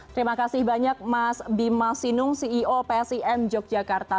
terima kasih banyak mas bima sinung ceo psim yogyakarta